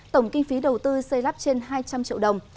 tổng kinh phí đầu tư xây lắp trên hai trăm linh triệu đồng